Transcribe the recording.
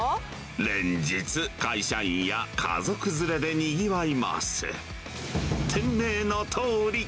連日、会社員や家族連れでにぎわいます。